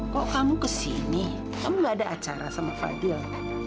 kok kamu kesini kamu gak ada acara sama fadil